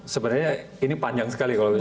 sebenarnya ini panjang sekali